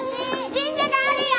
神社があるよ！